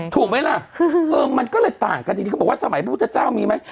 ถูกไหมล่ะมันก็เลยต่างกันจริงเขาบอกว่าสมัยพระพุทธเจ้ามีไหม